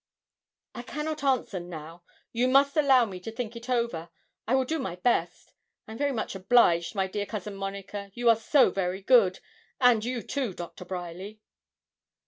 'I cannot answer now you must allow me to think it over I will do my best. I am very much obliged, my dear Cousin Monica, you are so very good, and you too, Doctor Bryerly.'